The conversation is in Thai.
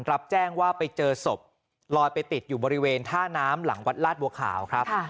รับแจ้งว่าไปเจอศพลอยไปติดอยู่บริเวณท่าน้ำหลังวัดลาดบัวขาวครับ